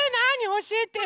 おしえてよ！